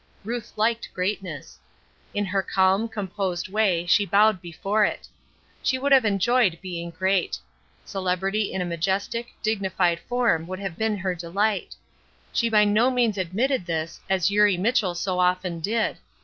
Ruth liked greatness. In her calm, composed way she bowed before it. She would have enjoyed being great. Celebrity in a majestic, dignified form would have been her delight. She by no means admitted this, as Eurie Mitchell so often did.